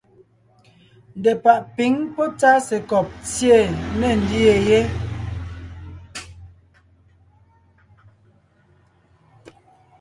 Ndepàʼ pǐŋ pɔ́ tsásekɔb tsyé ne ńdyê yé.